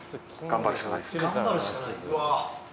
頑張るしかないうわ